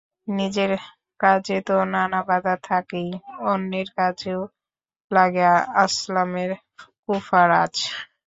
নিজের কাজে তো নানা বাঁধা থাকেই, অন্যের কাজেও লাগে আসলামের কুফার আঁচ।